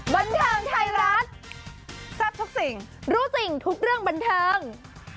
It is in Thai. บันเทิงไทยรัฐแซ่บทุกสิ่งรู้จริงทุกเรื่องบันเทิง